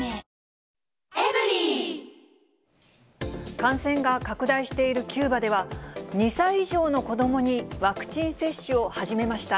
感染が拡大しているキューバでは、２歳以上の子どもにワクチン接種を始めました。